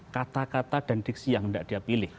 kata kata dan diksi yang hendak dia pilih